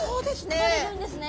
産まれるんですね。